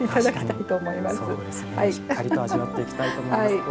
しっかりと味わっていきたいと思います。